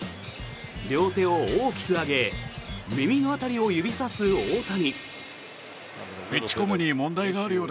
両手を大きく上げ耳の辺りを指さす大谷。